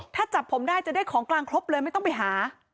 ถ้าจับผมได้จะได้ของกลางครบเลยไม่ต้องไปหา